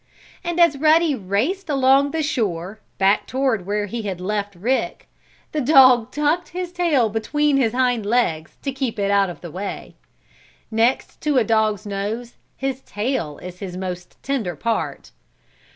And as Ruddy raced along the shore, back toward where he had left Rick, the dog tucked his tail between his hind legs to keep it out of the way. Next to a dog's nose his tail is his most tender part.